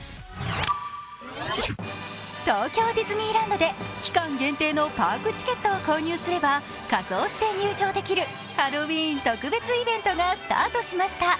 東京ディズニーランドで期間限定のパークチケットを購入すれば仮装して入場できるハロウィーン特別イベントがスタートしました。